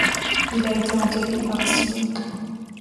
Il a été enterré à Ratisbonne.